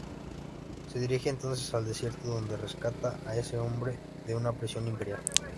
Se dirige entonces al desierto donde rescata a ese hombre de una prisión imperial.